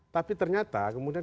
tapi ternyata kemudian kemudian